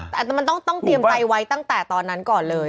แต่มันต้องเตรียมใจไว้ตั้งแต่ตอนนั้นก่อนเลย